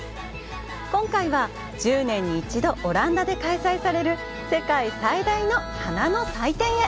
今回は、１０年に１度オランダで開催される世界最大の花の祭典へ。